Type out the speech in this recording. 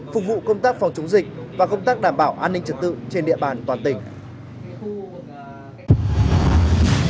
phục vụ công tác phòng chống dịch và công tác đảm bảo an ninh trật tự trên địa bàn toàn tỉnh